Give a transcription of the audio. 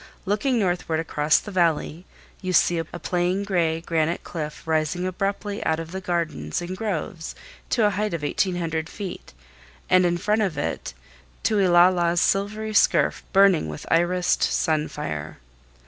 Looking northward across the Valley you see a plain, gray granite cliff rising abruptly out of the gardens and groves to a height of 1800 feet, and in front of it Tueeulala's silvery scarf burning with irised sun fire.